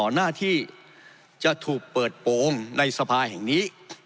หน้าที่จะถูกเปิดโปรงในสภาแห่งนี้